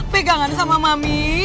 pegangan sama mami